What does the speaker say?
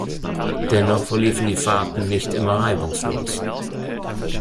Dennoch verliefen die Fahrten nicht immer reibungslos.